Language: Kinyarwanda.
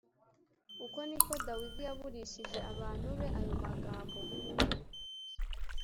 Uko ni ko Dawidi yaburīshije abantu be ayo magambo